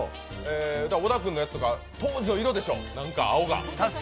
小田君のやつとか、当時の色でしょ、青が。